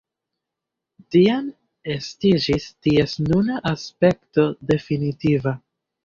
Tiam estiĝis ties nuna aspekto definitiva.